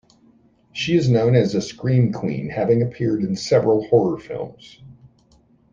She is known as a scream queen, having appeared in several horror films.